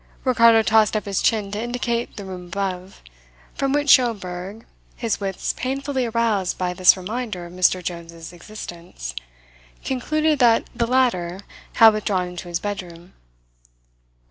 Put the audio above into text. Ricardo tossed up his chin to indicate the room above; from which Schomberg, his wits painfully aroused by this reminder of Mr. Jones's existence, concluded that the latter had withdrawn into his bedroom.